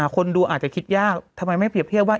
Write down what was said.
คนดูอาจจะคิดยากทำไมไม่เปรียบเทียบว่า